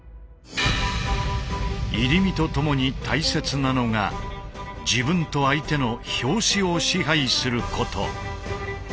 「入身」とともに大切なのが自分と相手の「拍子」を支配すること。